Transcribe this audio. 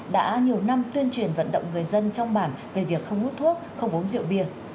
đã nhiều năm tuyên truyền vận động người dân trong bản về việc không hút thuốc không uống rượu bia